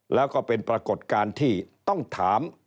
แล้วก็เป็นปรากฏการณ์ที่ต้องถาม